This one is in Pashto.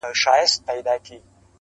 چي ودڅنګ تې مقبره جوړه د سپي ده,